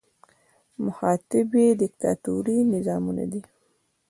مخاطب یې دیکتاتوري نظامونه دي.